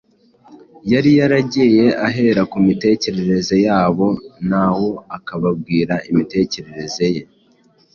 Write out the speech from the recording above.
yari yaragiye ahera ku mitekerereze yabo nawe akababwira imiterereze ye,